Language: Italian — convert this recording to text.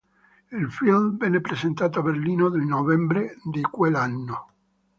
Il film venne presentato a Berlino nel novembre di quell'anno.